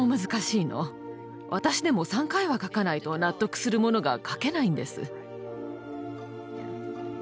私でも３回は描かないと納得するものが描けないんです。